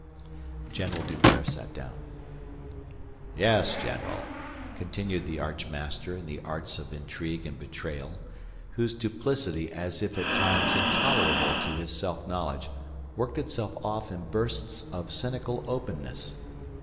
General D'Hubert sat down. "Yes, general," continued the arch master in the arts of intrigue and betrayal, whose duplicity as if at times intolerable to his self knowledge worked itself off in bursts of cynical openness.